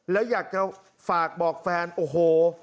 แล้วอยากจะฝากบอกแฟนโอ้โห